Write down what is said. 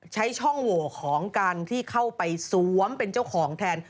ใช้ช่องโหวของการที่เข้าไปสวมเป็นเจ้าของแทน